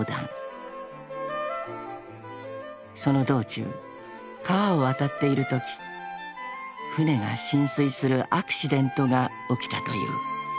［その道中川を渡っているとき船が浸水するアクシデントが起きたという］